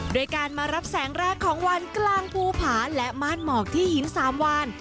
โดยการมารับแสงแรกของวันกลางภูผาและม่านหมอกที่หิน๓วัน